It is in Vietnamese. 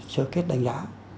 sơ kết đánh giá